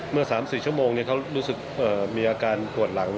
เมื่อ๓๔ชั่วโมงเขารู้สึกมีอาการปวดหลัง